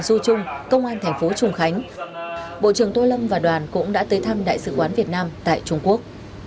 quận du trung công an tp trung khánh bộ trưởng tô lâm và đoàn cũng đã tới thăm đại sứ quán việt nam tại trung quốc